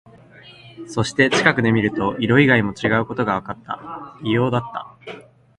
そして、近くで見ると、色以外も違うことがわかった。異様だった。